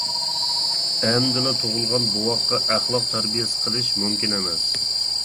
ئەمدىلا تۇغۇلغان بوۋاققا ئەخلاق تەربىيەسى قىلىش مۇمكىن ئەمەس.